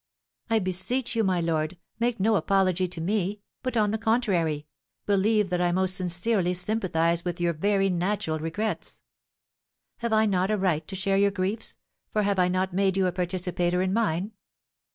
"I beseech you, my lord, make no apology to me; but, on the contrary, believe that I most sincerely sympathise with your very natural regrets. Have I not a right to share your griefs, for have I not made you a participator in mine?